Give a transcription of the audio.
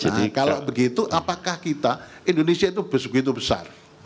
nah kalau begitu apakah kita indonesia itu begitu besar